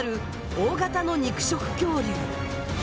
大型の肉食恐竜。